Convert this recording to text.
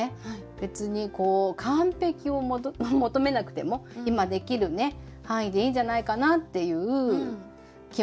別にこう完璧を求めなくても今できるね範囲でいいんじゃないかなっていう気持ちにね。